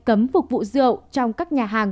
cấm phục vụ rượu trong các nhà hàng